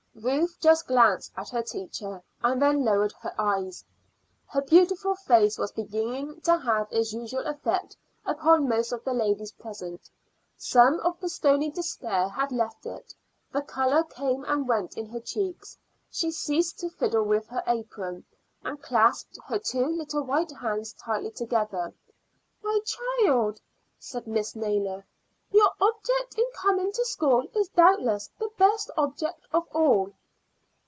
Ruth just glanced at her teacher, and then lowered her eyes. Her beautiful little face was beginning to have its usual effect upon most of the ladies present. Some of the stony despair had left it; the color came and went in her cheeks. She ceased to fiddle with her apron, and clasped her two little white hands tightly together. "My child," said Mrs. Naylor, "your object in coming to school is doubtless the best object of all."